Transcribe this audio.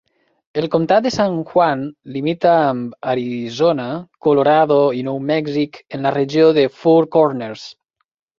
El comtat de San Juan limita amb Arizona, Colorado i Nou Mèxic en la regió de Four Corners.